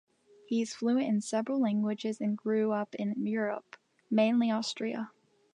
He is fluent in several languages and grew up in Europe, mainly Austria.